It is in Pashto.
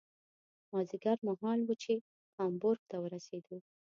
مازدیګر مهال و چې هامبورګ ته ورسېدو.